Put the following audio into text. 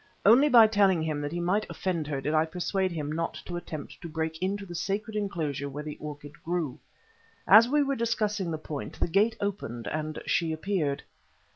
Only by telling him that he might offend her did I persuade him not to attempt to break into the sacred enclosure where the orchid grew. As we were discussing the point, the gate opened and she appeared.